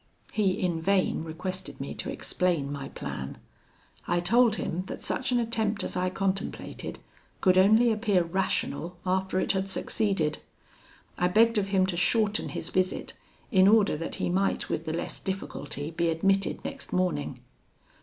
He in vain requested me to explain my plan. I told him that such an attempt as I contemplated could only appear rational after it had succeeded. I begged of him to shorten his visit, in order that he might with the less difficulty be admitted next morning.